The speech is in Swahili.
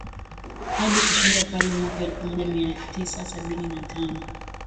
hadi kushindwa pale mwaka elfumoja miatisa sabini na tano